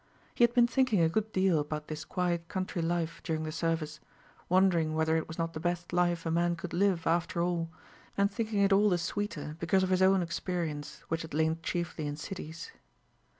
He had been thinking a good deal about this quiet country life during the service, wondering whether it was not the best life a man could live, after all, and thinking it all the sweeter because of his own experience, which had lain chiefly in cities.